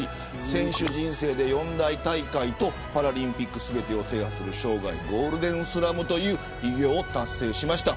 選手人生で四大大会とパラリンピック全てを制覇する生涯ゴールデンスラムという偉業を達成しました。